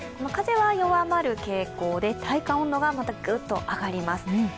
風は弱まる傾向で体感温度がぐっと上がります。